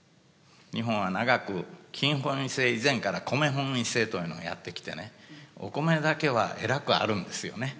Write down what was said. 日本は長く金本位制以前から米本位制というのがやってきてねお米だけはえらくあるんですよね。